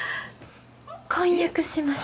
婚約しました。